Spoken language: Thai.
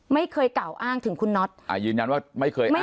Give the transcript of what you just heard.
ไม่เคยกล่าวอ้างถึงคุณน็อตอ่ายืนยันว่าไม่เคยอ้าง